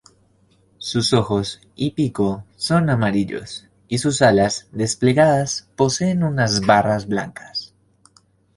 Sus ojos y pico son amarillos y sus alas desplegadas poseen unas barras blancas.